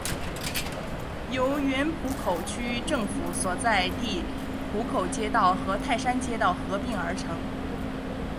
由原浦口区政府所在地浦口街道和泰山街道合并而成。